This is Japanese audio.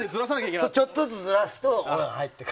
ちょっとずつずらすと入ってく。